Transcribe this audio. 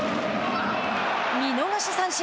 見逃し三振。